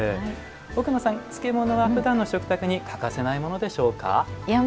奥野さん、漬物はふだんの食卓に欠かせないものでしょうか？